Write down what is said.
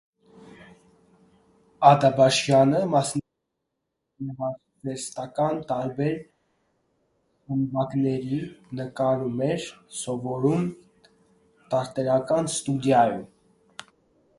Ադաբաշյանը մասնակցում էր գեղարվեստական տարբեր խմբակների՝ նկարում էր, սովորում թատերական ստուդիայում։